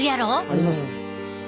あります。